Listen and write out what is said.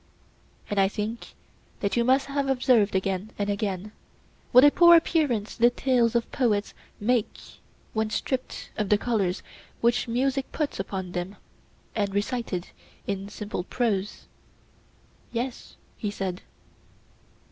And I think that you must have observed again and again what a poor appearance the tales of poets make when stripped of the colours which music puts upon them, and recited in simple prose. Yes, he said.